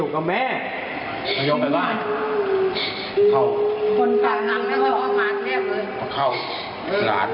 แล้วมันได้บิดคอดหรือไหม